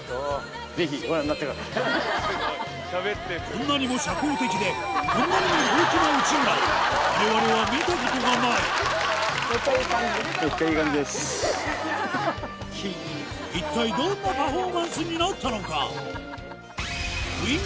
こんなにも社交的でこんなにも陽気な内村を一体どんなパフォーマンスになったのか？